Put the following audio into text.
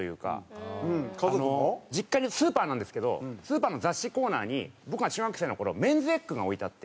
実家にスーパーなんですけどスーパーの雑誌コーナーに僕が中学生の頃『ｍｅｎ’ｓｅｇｇ』が置いてあって。